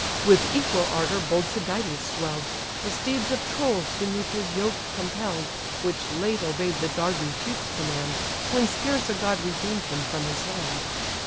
With equal ardour bold Tydides swell'd, The steeds of Tros beneath his yoke compell'd (Which late obey'd the Dardan chief's command, When scarce a god redeem'd him from his hand).